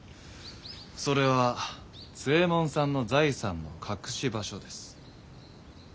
それは津右衛門さんの財産の隠し場所です。